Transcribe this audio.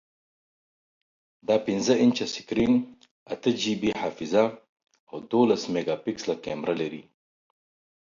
دا پنځه انچه سکرین، اته جی بی حافظه، او دولس میګاپکسله کیمره لري.